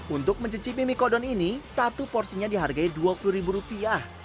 untuk mencicipi mie kodon ini satu porsinya dihargai dua puluh ribu rupiah